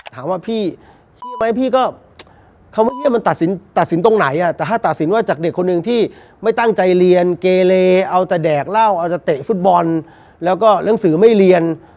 ตัดสินตรงไหนแต่ถ้าตัดสินว่าจากเด็กคนหนึ่งที่ไม่ตั้งใจเรียนเกเลเอาแต่แดกเล่าเอาแต่เตะฟุตบอลแล้วก็เรื่องสื่อไม่เรียน